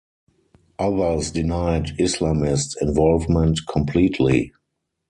Others denied Islamist involvement completely.